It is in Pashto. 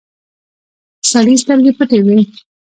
سړي سترګې پټې وې.